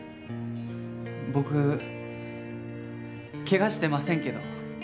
僕怪我してませんけど。